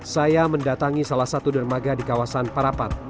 saya mendatangi salah satu dermaga di kawasan parapat